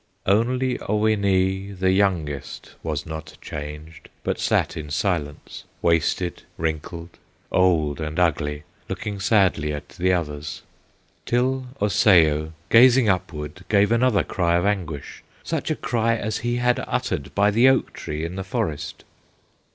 "Only Oweenee, the youngest, Was not changed, but sat in silence, Wasted, wrinkled, old, and ugly, Looking sadly at the others; Till Osseo, gazing upward, Gave another cry of anguish, Such a cry as he had uttered By the oak tree in the forest.